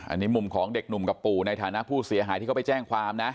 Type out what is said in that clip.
อันนี้มุมของเด็กหนุ่มกับปู่ในฐานะผู้เสียหายที่เขาไปแจ้งความนะ